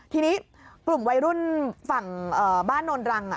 ทีนี้กลุ่มวัยรุ่นฝั่งบ้านโนนรัง